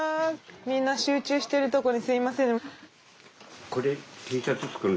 みんな集中してるとこにすいません。